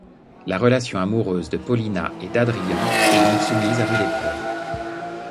La relation amoureuse de Paulina et d'Adrián est donc soumise à rude épreuve.